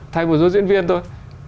thay một số diễn viên thôi